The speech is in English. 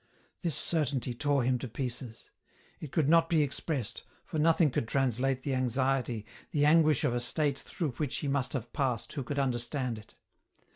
This certainty tore him to pieces. It could not be expressed, for nothing could translate the anxiety, the anguish of a state through which he must have passed who could understand it.